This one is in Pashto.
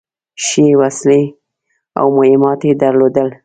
ښې وسلې او مهمات يې درلودل.